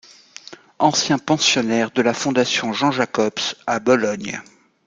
Ancien pensionnaire de la Fondation Jean Jacobs à Bologne.